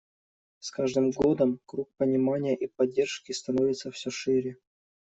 С каждым годом круг понимания и поддержки становится все шире.